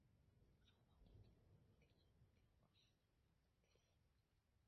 交战双方为罗马帝国的君士坦丁一世和马克森提乌斯。